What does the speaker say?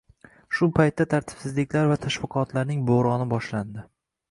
Shu payt tartibsizliklar va tashviqotlarning "bo'roni" boshlandi